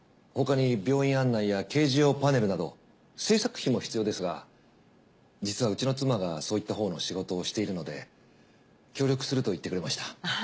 他に病院案内や掲示用パネルなど制作費も必要ですが実はうちの妻がそういったほうの仕事をしているので協力すると言ってくれました。